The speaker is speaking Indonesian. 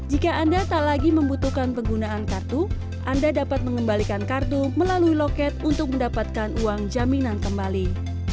jika anda tak lagi membutuhkan penggunaan kartu anda dapat mengembalikan kartu melalui loket untuk mendapatkan uang jaminan kembali